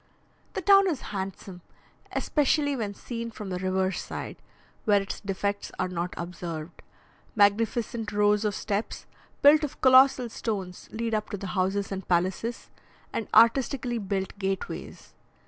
The town is handsome, especially when seen from the river side, where its defects are not observed. Magnificent rows of steps, built of colossal stones, lead up to the houses and palaces, and artistically built gateways.